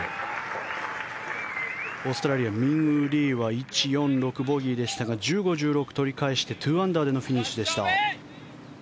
オーストラリアミンウー・リーは１、４、６ボギーでしたが１５、１６取り返して２アンダーでのフィニッシュでした。